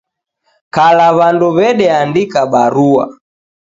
Kala w'andu w'edeandika barua